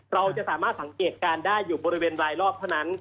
เราจะสามารถสังเกตการณ์ได้อยู่บริเวณรายรอบเท่านั้น